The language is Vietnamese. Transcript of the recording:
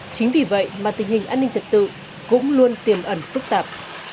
chính vì vậy mà tình hình an ninh trật tự cũng luôn tiềm ẩn phức tạp